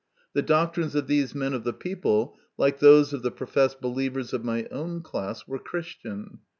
The doctrines of these men of the people, like those of the pretended believers of my own class, were Christian.